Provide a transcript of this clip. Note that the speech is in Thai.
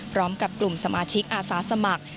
พร้อมกับกลุ่มสมาชิกอาสาสมัคร